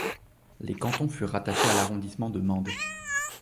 Les cantons furent rattachés à l'arrondissement de Mende.